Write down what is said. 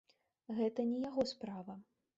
Гэта не яго справа!